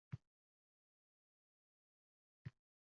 Qahramonlar tili juda bachkana.